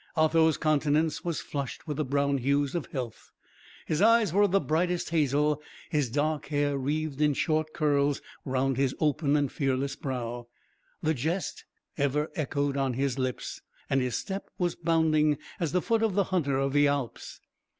Otho's countenance was flushed with the brown hues of health; his eyes were of the brightest hazel: his dark hair wreathed in short curls round his open and fearless brow; the jest ever echoed on his lips, and his step was bounding as the foot of the hunter of the Alps.